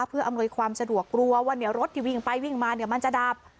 เพื่ออำนวยความสะดวกกลัวว่ารถที่วิ่งไปวิ่งมามันจะดับ